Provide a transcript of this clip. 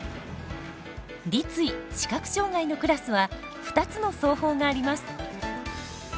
立位、視覚障がいのクラスは２つの走法があります。